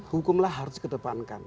hukum lah harus di kedepankan